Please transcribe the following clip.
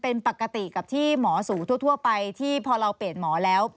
เป็นปกติกับที่หมอสู่ทั่วไปที่พอเราเปลี่ยนหมอแล้ว